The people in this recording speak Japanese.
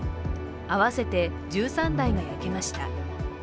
合わせて１３台が焼けました。